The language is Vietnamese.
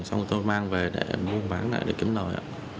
sau đó tôi mang về để mua bán lại để kiếm lời